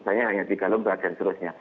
misalnya hanya tiga lembar dan seterusnya